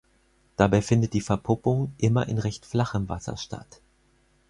Dabei findet die Verpuppung immer in recht flachem Wasser statt.